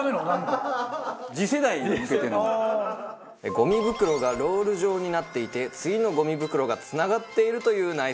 ゴミ袋がロール状になっていて次のゴミ袋がつながっているというナイスアイテム。